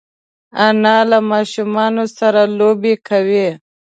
انا له ماشومانو سره لوبې کوي